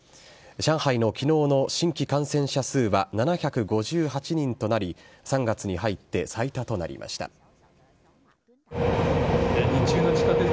上海のきのうの新規感染者数は７５８人となり、３月に入って最多となりました。